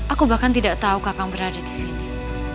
aku bahkan tidak tahu kakak berada di sini